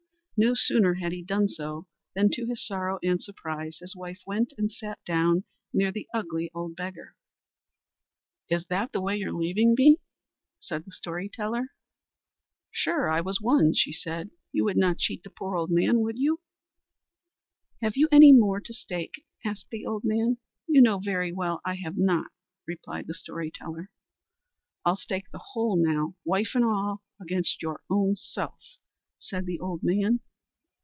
No sooner had he done so, than to his sorrow and surprise, his wife went and sat down near the ugly old beggar. "Is that the way you're leaving me?" said the story teller. "Sure I was won," said she. "You would not cheat the poor man, would you?" "Have you any more to stake?" asked the old man. "You know very well I have not," replied the story teller. "I'll stake the whole now, wife and all, against your own self," said the old man.